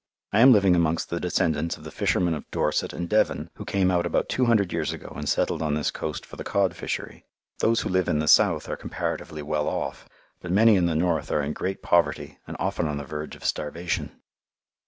I am living amongst the descendants of the fishermen of Dorset and Devon who came out about two hundred years ago and settled on this coast for the cod fishery. Those who live in the south are comparatively well off, but many in the north are in great poverty and often on the verge of starvation.